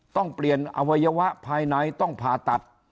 ต้องเปลี่ยนอวัยวะภายในต้องผ่าตัด